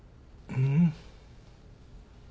うん。